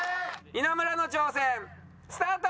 稲村の挑戦スタート！